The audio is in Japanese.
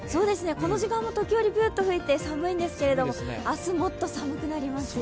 この時間も時折ピュッと吹いて寒いんですが明日もっと寒くなりますよ。